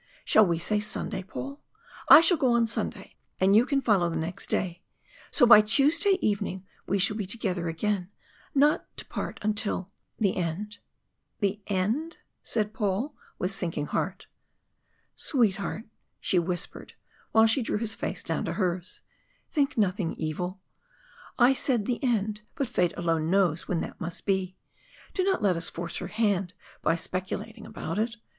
Shall we say Sunday, Paul? I shall go on Sunday, and you can follow the next day so by Tuesday evening we shall be together again, not to part until the end." "The end?" said Paul, with sinking heart. "Sweetheart," she whispered, while she drew his face down to hers, "think nothing evil. I said the end but fate alone knows when that must be. Do not let us force her hand by speculating about it.